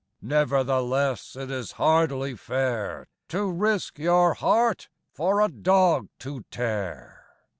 Nevertheless it is hardly fair To risk your heart for a dog to tear.